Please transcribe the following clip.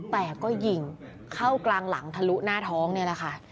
แต่ก็ยิงเข้ากลางหลังทะลุหน้าท้องนี่แหละค่ะ